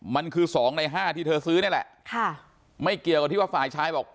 มันคือสองในห้าที่เธอซื้อนี่แหละค่ะไม่เกี่ยวกับที่ว่าฝ่ายชายบอก